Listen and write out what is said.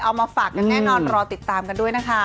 เอามาฝากกันแน่นอนรอติดตามกันด้วยนะคะ